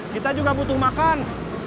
kita juga butuh makan